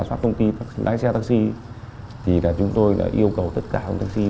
xong đi ra ngoài đây đúng không